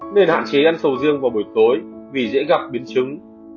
nên hạn chế ăn sầu riêng vào buổi tối vì dễ gặp biến chứng